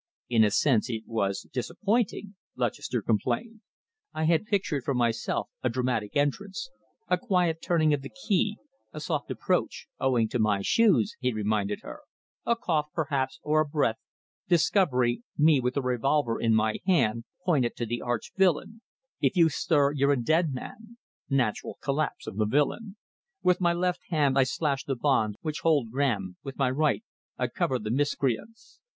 "In a sense it was disappointing," Lutchester complained. "I had pictured for myself a dramatic entrance ... a quiet turning of the key, a soft approach owing to my shoes," he reminded her "a cough, perhaps, or a breath ... discovery, me with a revolver in my hand pointed to the arch villain 'If you stir you're a dead man!' ... Natural collapse of the villain. With my left hand I slash the bonds which hold Graham, with my right I cover the miscreants.